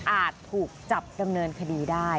ถูกจับดำเนินคดีได้